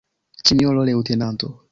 Sinjoro leŭtenanto!